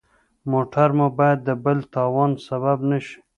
موټر مو باید د بل تاوان سبب نه شي.